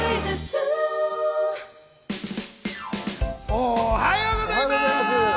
おはようございます！